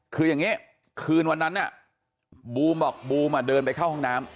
คืออย่างนี้คืนวันนั้นบูมบอกบูมเดินไปเข้าห้องน้ำ